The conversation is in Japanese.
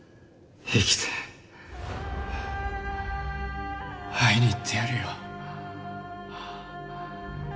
生きて会いに行ってやるよ。